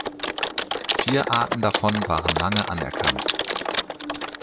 Vier Arten davon waren lange anerkannt.